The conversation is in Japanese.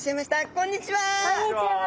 こんにちは。